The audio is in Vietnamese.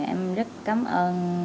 em rất cảm ơn